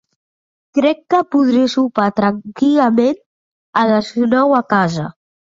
Crec que podré sopar tranquil·lament a les nou a casa.